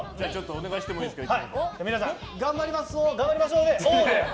お願いしてもいいですか。